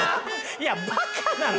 いやバカなの？